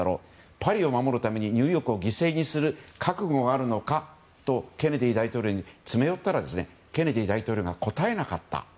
パリを守るためにニューヨークを犠牲にする覚悟はあるのかとケネディ大統領に詰め寄ったらケネディ大統領が答えなかった。